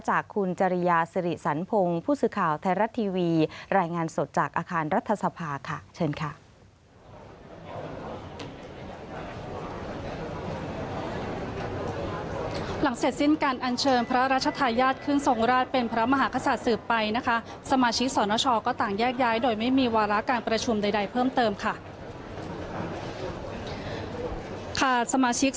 จากคุณจริยาศรีสันพงศ์ผู้สื่อข่าวไทยรัฐทีวี